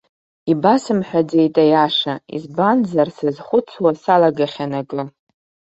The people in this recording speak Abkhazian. Ибасымҳәаӡеит аиаша, избанзар, сазхәыцуа салагахьан акы.